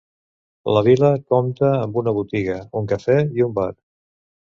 La vila compta amb una botiga, un cafè i un bar.